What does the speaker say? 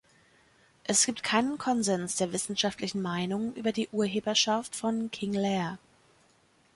Es gibt keinen Konsens der wissenschaftlichen Meinung über die Urheberschaft von „King Leir“.